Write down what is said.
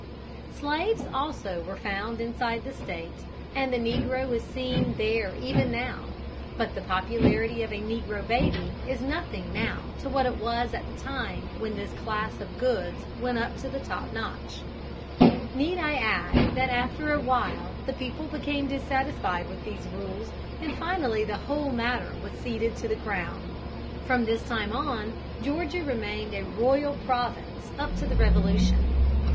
Slaves also were found inside the State, and the negro is seen there even now; but the popularity of a negro baby is nothing now to what it was at the time when this class of goods went up to the top notch. Need I add that after a while the people became dissatisfied with these rules and finally the whole matter was ceded to the crown? From this time on Georgia remained a royal province up to the Revolution.